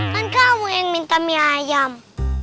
kan kamu yang minta mie ayam